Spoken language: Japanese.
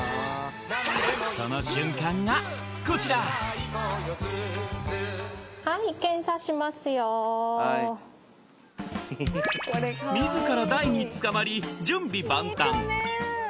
その瞬間がこちら自ら台につかまり準備万端